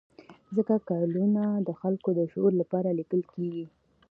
ځکه کالمونه د خلکو د شعور لپاره لیکل کېږي.